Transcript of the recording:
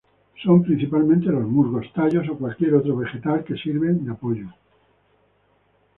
Son principalmente los musgos, tallos o cualquier otro vegetal que sirven de apoyo.